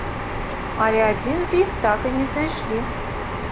Але адзін з іх так і не знайшлі.